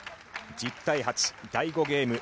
１０対８、第５ゲーム。